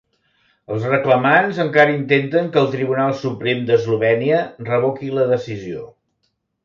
Els reclamants encara intenten que el Tribunal Suprem d'Eslovènia revoqui la decisió.